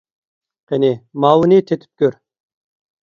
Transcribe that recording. قېنى، ماۋۇنى تېتىپ كۆر!